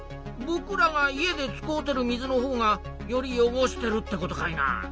ぼくらが家で使うてる水のほうがより汚してるってことかいな。